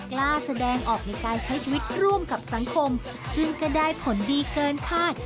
กล้าแสดงออกในการใช้ชีวิตร่วมกับสังคมซึ่งก็ได้ผลดีเกินคาด